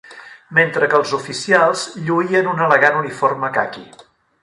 Mentre que els oficials lluïen un elegant uniforme caqui